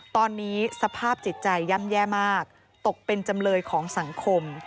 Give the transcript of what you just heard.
ตอนนี้สภาพจิตใจย่ำแย่มากตกเป็นจำเลยของสังคม